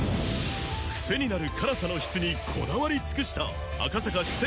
クセになる辛さの質にこだわり尽くした赤坂四川